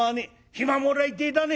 暇もらいてえだね」。